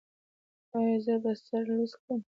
ایا زه باید سر لوڅ کړم؟